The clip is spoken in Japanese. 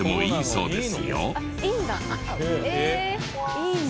いいんだ。